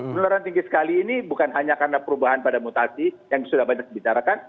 penularan tinggi sekali ini bukan hanya karena perubahan pada mutasi yang sudah banyak dibicarakan